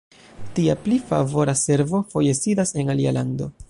Tia pli favora servo foje sidas en alia lando.